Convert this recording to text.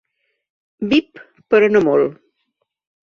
Vip, però no molt.